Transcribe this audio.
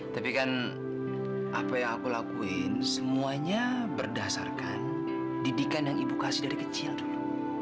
tapi kan apa yang aku lakuin semuanya berdasarkan didikan yang ibu kasih dari kecil dulu